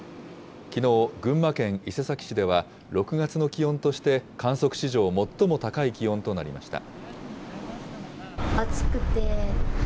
きのう、群馬県伊勢崎市では、６月の気温として観測史上最も高い気温となりました。